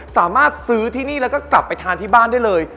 สามารถซื้อที่นี่แล้วก็กลับไปทานที่บ้านได้เลย